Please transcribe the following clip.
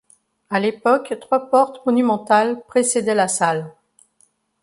À l’époque trois portes monumentales précédaient la salle.